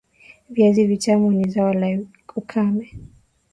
viazi vitamu ni zao la ukame